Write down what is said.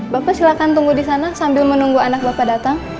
bapak silakan tunggu di sana sambil menunggu anak bapak datang